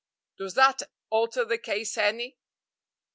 Does that alter the case any?"